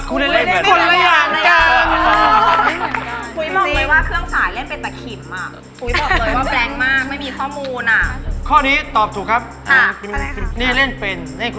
กูเหมือนมองไหมว่าเครื่องสายเล่นเป็นประขิมอ่ะ